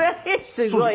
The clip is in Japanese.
すごい。